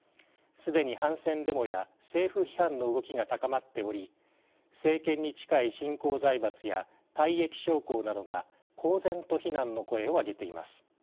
既に反戦デモや政府批判の動きが高まっており政権に近い新興財閥や退役将校などが公然と非難の声を上げています。